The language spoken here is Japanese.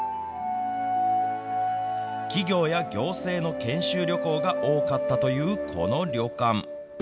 企業や行政の研修旅行が多かったというこの旅館。